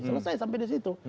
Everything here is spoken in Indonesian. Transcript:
selesai sampai di situ